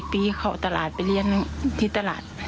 อายุ๑๔ปีเข้าตลาดไปเรียนที่ตลาด